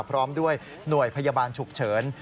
พร้อมด้วยหน่วยพยาบาลฉุกเฉิน